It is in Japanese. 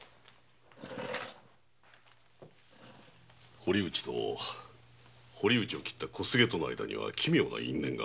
堀内と堀内を斬った小菅とは奇妙な因縁が。